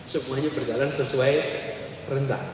semuanya berjalan sesuai rencana